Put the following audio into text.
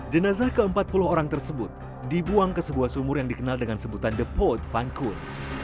jenazah ke empat puluh orang tersebut dibuang ke sebuah sumur yang dikenal dengan sebutan the pot funkun